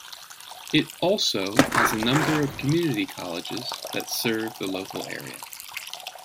It also has a number of community colleges that serve the local area.